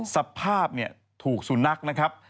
สภาพเนี่ยถูกสุนัขนะครับ